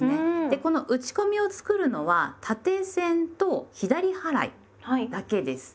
でこの打ち込みを作るのは縦線と左払いだけです。